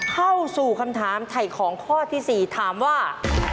เข้าสู่คำถามไถ่ของข้อที่๔ถามว่า